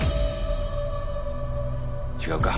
違うか。